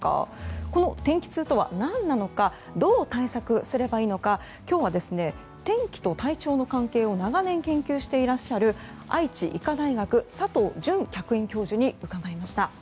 天気痛とは何なのかどう対策すればいいのか今日は天気と体調の関係を長年研究していらっしゃる愛知医科大学佐藤純客員教授に伺いました。